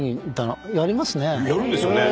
やるんですよね